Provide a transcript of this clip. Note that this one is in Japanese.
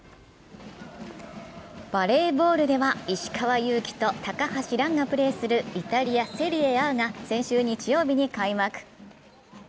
バレーボールでは石川祐希と高橋藍がプレーするイタリア・セリエＡが先週日曜日に開幕。